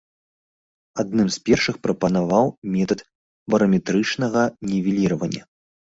Адным з першых прапанаваў метад бараметрычнага нівеліравання.